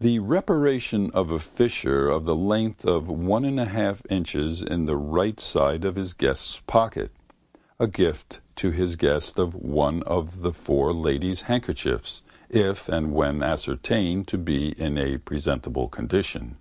The reparation of a fissure of the length of 1 1/2 inches in the right side of his guest's jacket. A gift to his guest of one of the four lady's handkerchiefs, if and when ascertained to be in a presentable condition.